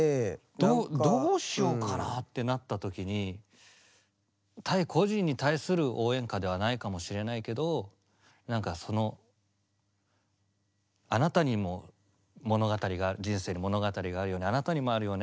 どうどうしようかなってなった時に対個人に対する応援歌ではないかもしれないけど何かそのあなたにも物語が人生の物語があるようにあなたにもあるよね